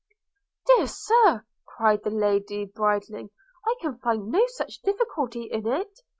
'Dear Sir,' cried the lady bridling, 'I can find no such difficulty in it.